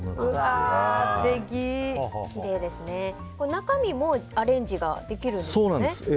中身もアレンジができるんですよね。